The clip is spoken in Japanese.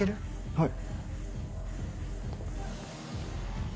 はい。